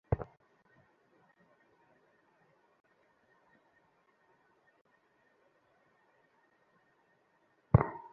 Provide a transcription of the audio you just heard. খুঁটিনাটি সব শুনতে চাই।